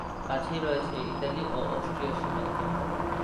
কাছেই রয়েছে ইতালি ও অস্ট্রিয়ার সীমান্ত।